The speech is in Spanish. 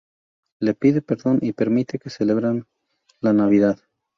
Le pide perdón y permite que celebraran la Navidad.